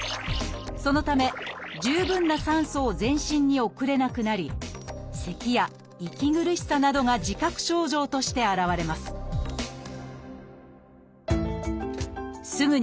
そのため十分な酸素を全身に送れなくなりせきや息苦しさなどが自覚症状として現れます